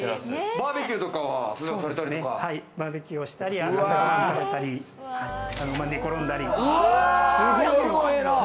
バーベキューしたり、朝ご飯食べたり、寝転んだり。